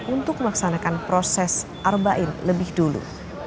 untuk melaksanakan proses arba in lebih dulu